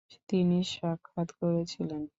তিনি সাক্ষাৎ করেছিলেন।